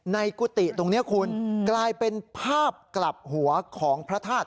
กุฏิตรงนี้คุณกลายเป็นภาพกลับหัวของพระธาตุ